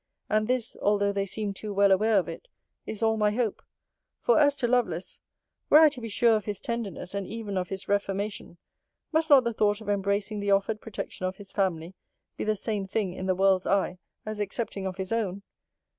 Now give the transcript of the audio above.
And this (although they seem too well aware of it) is all my hope: for, as to Lovelace, were I to be sure of his tenderness, and even of his reformation, must not the thought of embracing the offered protection of his family, be the same thing, in the world's eye, as accepting of his own?